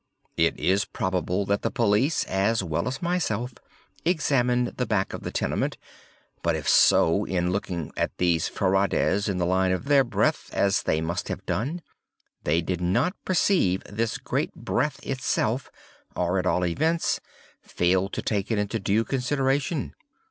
It is probable that the police, as well as myself, examined the back of the tenement; but, if so, in looking at these ferrades in the line of their breadth (as they must have done), they did not perceive this great breadth itself, or, at all events, failed to take it into due consideration.